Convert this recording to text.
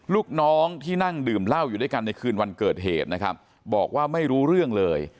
ลูกน้องที่นั่งดื่มเหล้าอยู่ด้วยกันในคืนวันเกิดเหตุนะครับบอกว่าไม่รู้เรื่องเลย